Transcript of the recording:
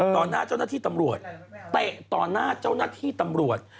หน้าเจ้าหน้าที่ตำรวจเตะต่อหน้าเจ้าหน้าที่ตำรวจ